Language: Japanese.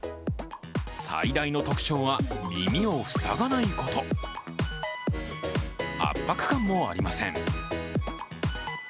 最大の特徴は、耳を塞がないこと圧迫感もありません。